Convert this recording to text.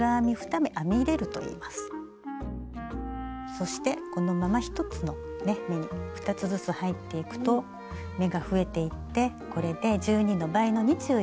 そしてこのまま１つのね目に２つずつ入っていくと目が増えていってこれで１２の倍の２４目に増えました。